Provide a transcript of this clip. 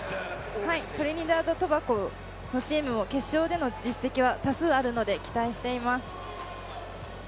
トリニダード・トバゴのチームも決勝での実績は多数あるので、期待しています。